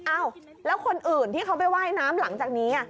อ้าวแล้วคนอื่นที่เขาไปว่ายน้ำหลังจากนี้